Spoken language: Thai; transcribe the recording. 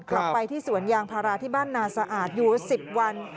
ไปที่สวนยางพาราที่บ้านนาสะอาดอยู่๑๐วัน